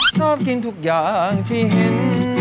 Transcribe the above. ชอบกินทุกอย่างที่เห็น